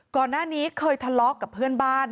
ก่อนหน้านี้เคยทะเลาะกับเพื่อนบ้าน